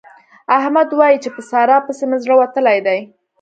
احمد وايي چې په سارا پسې مې زړه وتلی دی.